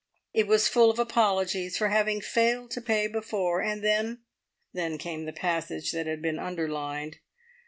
It was full of apologies for having failed to pay before; and then then came the passage that had been underlined.